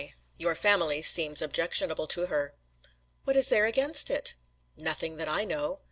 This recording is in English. "Your family seems objectionable to her." "What is there against it?" "Nothing that I know."